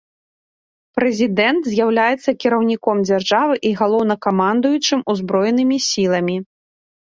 Прэзідэнт з'яўляецца кіраўніком дзяржавы і галоўнакамандуючым узброенымі сіламі.